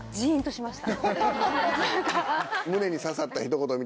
しました。